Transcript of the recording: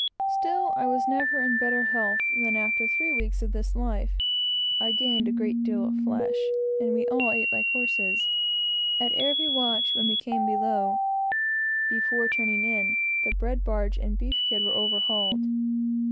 Still I was never in better health than after three weeks of this life. I gained a great deal of flesh, and we all ate like horses. At every watch, when we came below, before turning in, the bread barge and beef kid were overhauled.